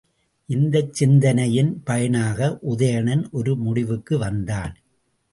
இந்தச் சிந்தனையின் பயனாக உதயணன் ஒரு முடிவுக்கு வந்தான்.